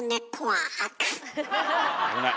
危ない！